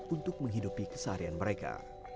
untuk menghidupi keseharian mereka